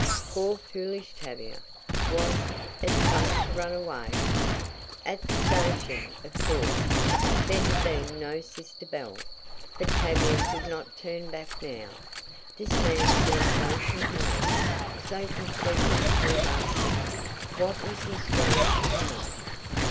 Poor foolish Tavia! Was it fun to run away? At the station, of course, there had been no sister Belle, but Tavia could not turn back now. This man seemed so compelling so completely her master! What was his strange power?